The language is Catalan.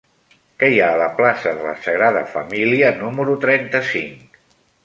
Què hi ha a la plaça de la Sagrada Família número trenta-cinc?